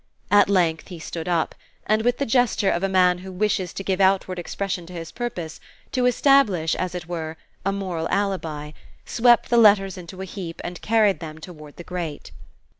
At length he stood up, and with the gesture of a man who wishes to give outward expression to his purpose to establish, as it were, a moral alibi swept the letters into a heap and carried them toward the grate.